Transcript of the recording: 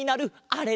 あれ？